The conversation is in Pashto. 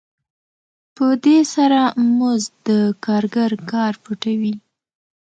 په دې سره مزد د کارګر کار پټوي